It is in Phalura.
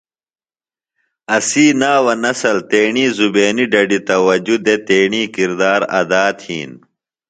اسی ناوہ نسل تیݨی زُبینی ڈڈیࣿ توجہ دےۡ تیݨی کردار ادا تِھین۔